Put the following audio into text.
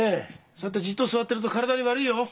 そうやってじっと座ってると体に悪いよ。